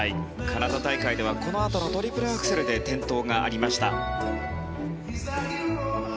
カナダ大会ではこのあとのトリプルアクセルで転倒。